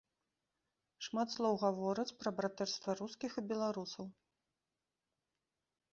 Шмат слоў гавораць пра братэрства рускіх і беларусаў.